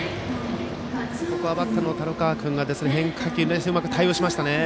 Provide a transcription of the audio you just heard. ここはバッターの樽川君が変化球を冷静にうまく対応しましたね。